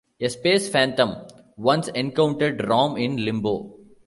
A Space Phantom once encountered Rom in Limbo.